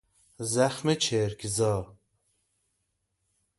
زخم چرک زا